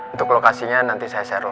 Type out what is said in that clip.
untuk lokasinya nanti saya share lagi